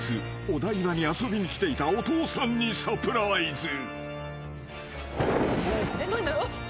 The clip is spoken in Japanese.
お台場に遊びに来ていたお父さんにサプライズ］